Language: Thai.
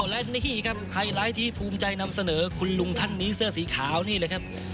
และนี่ครับไฮไลท์ที่ภูมิใจนำเสนอคุณลุงท่านนี้เสื้อสีขาวนี่เลยครับ